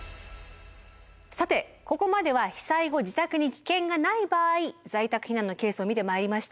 さてここまでは被災後自宅に危険がない場合在宅避難のケースを見てまいりました。